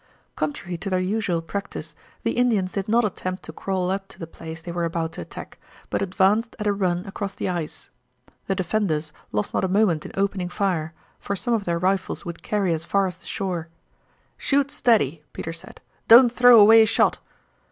Contrary to their usual practice the Indians did not attempt to crawl up to the place they were about to attack, but advanced at a run across the ice. The defenders lost not a moment in opening fire, for some of their rifles would carry as far as the shore. "Shoot steady," Peter said. "Don't throw away a shot."